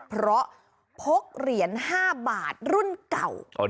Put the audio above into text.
เพราะพกเหรียญ๕บาทรุ่นเก่า